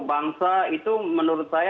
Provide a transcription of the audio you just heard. bangsa itu menurut saya